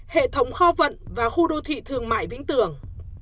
hệ thống kho vận và khu đô thị thương mại vĩnh tường